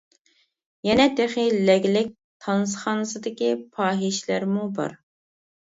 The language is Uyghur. يەنە تېخى «لەگلەك» تانسىخانىسىدىكى پاھىشىلەرمۇ بار.